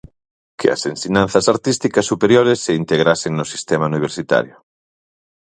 Que as ensinanzas artísticas superiores se integrasen no Sistema Universitario.